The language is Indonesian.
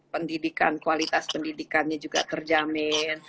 pendidikan kualitas pendidikannya juga terjamin